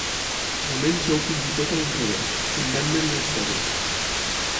Almenys jo ho puc dir tot a l'inrevès, fundant-me en la història.